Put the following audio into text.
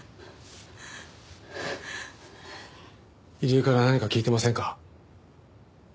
入江から何か聞いてませんか？